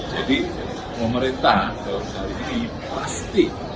jadi pemerintah tahun ini pasti